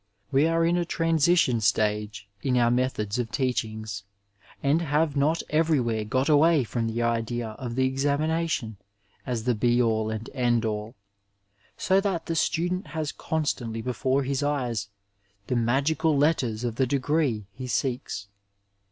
We are in a txansition stage in our methods of teachings, and have not everywhere got away from the idea of the examinati<Hi as the *' be ail and end all ;" so that the student has constantiy before his eyes the magical letters of the degree he seeks.